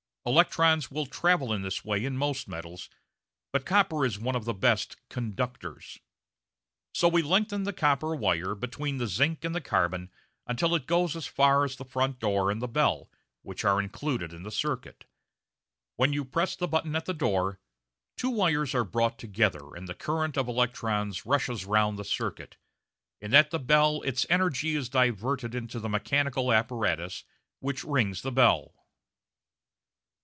Electrons will travel in this way in most metals, but copper is one of the best "conductors." So we lengthen the copper wire between the zinc and the carbon until it goes as far as the front door and the bell, which are included in the circuit. When you press the button at the door, two wires are brought together, and the current of electrons rushes round the circuit; and at the bell its energy is diverted into the mechanical apparatus which rings the bell.